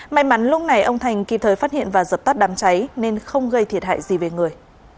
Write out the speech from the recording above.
may mắn lúc này ông thành kịp thời phát hiện và dập tắt đám cháy nên không gây thiệt hại gì về người